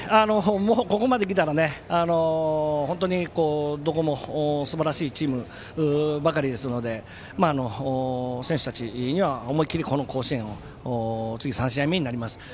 ここまできたら本当に、どこもすばらしいチームばかりですので選手たちには思い切りこの甲子園を次、３試合目になります。